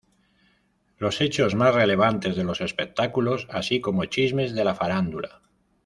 Los hechos más relevantes de los espectáculos, así como chismes de la farándula.